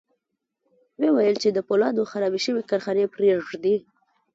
ويې ویل چې د پولادو خرابې شوې کارخانې پرېږدي